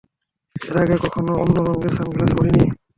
এর আগে কখনো অন্য রঙের সানগ্লাস পরিনি!